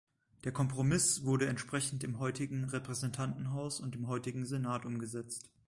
Der Kompromiss wurde entsprechend im heutigen Repräsentantenhaus und dem heutigen Senat umgesetzt.